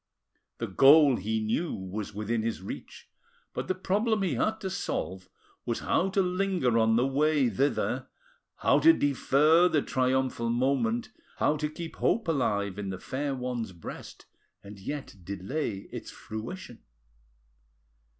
The goal, he knew, was within his reach, but the problem he had to solve was how to linger on the way thither, how to defer the triumphal moment, how to keep hope alive in the fair one's breast and yet delay its fruition.